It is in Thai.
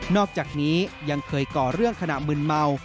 อกจากนี้ยังเคยก่อเรื่องขณะมืนเมา